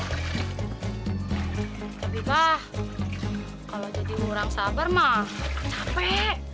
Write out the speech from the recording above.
tapi abah kalau jadi orang sabar ma capek